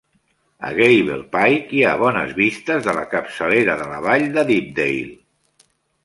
A Gavel Pike hi ha bones vistes de la capçalera de la vall de Deepdale.